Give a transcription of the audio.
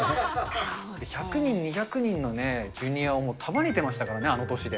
１００人、２００人のジュニアをもう束ねてましたからね、あの年で。